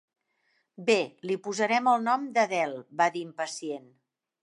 "Bé, li posarem el nom d'Adele", va dir impacient.